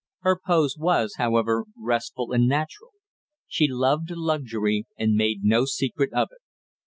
Her pose was, however, restful and natural. She loved luxury, and made no secret of it.